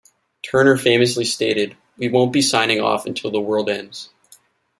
Turner famously stated: We won't be signing off until the world ends.